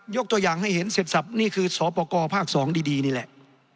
ยกตัวอย่างให้เห็นเสร็จสับนี่คือสปกรภาค๒ดีนี่แหละ